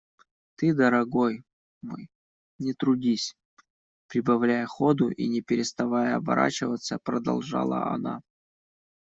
Ты, дорогой мой, не трудись! – прибавляя ходу и не переставая оборачиваться, продолжала она.